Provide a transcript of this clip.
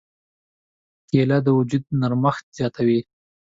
کېله د وجود نرمښت زیاتوي.